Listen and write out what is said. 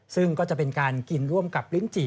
ซึ่งก็จะเป็นการกินร่วมกับลิ้นจี่